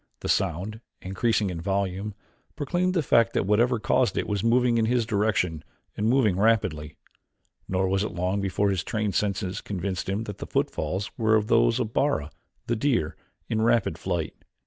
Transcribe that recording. The sound, increasing in volume, proclaimed the fact that whatever caused it was moving in his direction and moving rapidly. Nor was it long before his trained senses convinced him that the footfalls were those of Bara, the deer, in rapid flight.